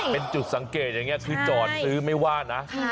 เป็นจุดสังเกตอย่างนี้คือจอดซื้อไม่ว่านะ